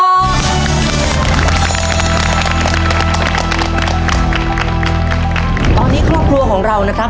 มีสิทธิเรื่องคุณแจต่อชีวิตได้สองดอกด้วยกันนะครับ